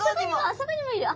あそこにもいる。